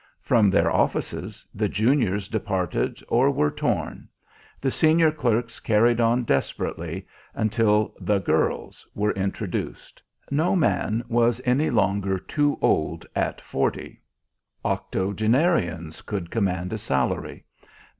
From their offices the juniors departed or were torn; the senior clerks carried on desperately until the Girls were introduced. No man was any longer too old at forty. Octogenarians could command a salary.